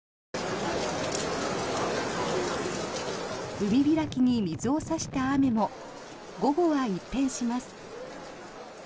海開きに水を差した雨も午後は一変します。